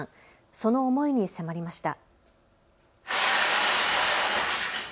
その思いに迫りました。